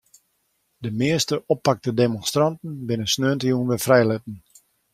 De measte oppakte demonstranten binne sneontejûn wer frijlitten.